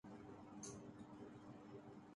کیا میں آپ کو کال کر سکتا ہوں